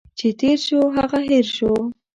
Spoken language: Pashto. چي تیر شو، هغه هٻر شو.